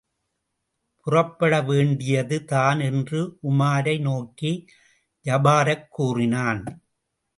புறப்படவேண்டியதுதான் என்று உமாரை நோக்கி ஜபாரக் கூறினான்.